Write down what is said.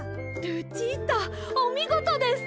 ルチータおみごとです。